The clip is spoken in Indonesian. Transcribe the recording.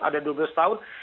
ada dua belas tahun